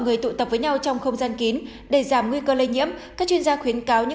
người tụ tập với nhau trong không gian kín để giảm nguy cơ lây nhiễm các chuyên gia khuyến cáo những